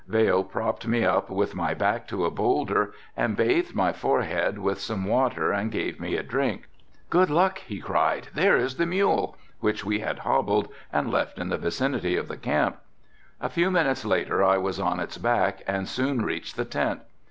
Vail propped me up with my back to a boulder and bathed my forehead with some water and gave me a drink. "Good luck," he cried, "there is the mule," which we had hobbled and left in the vicinity of the camp. A few minutes later I was on its back and soon reached the tent.